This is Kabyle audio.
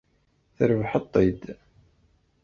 Trebḥeḍ-t-id.